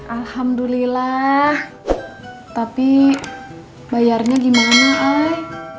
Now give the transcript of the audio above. alhamdulillah tapi bayarnya gimana